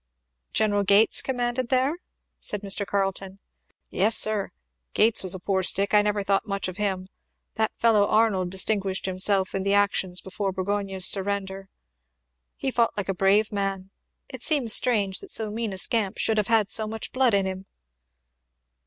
"General Gates commanded there?" said Mr. Carleton. "Yes sir Gates was a poor stick I never thought much of him. That fellow Arnold distinguished himself in the actions before Burgoyne's surrender. He fought like a brave man. It seems strange that so mean a scamp should have had so much blood in him?"